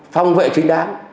phòng vệ chính đáng